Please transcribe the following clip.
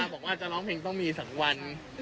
บอกว่าจะร้องเพลงต้องมี๒วัน